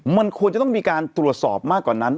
มันควรจะต้องมีการตรวจสอบมากกว่านั้น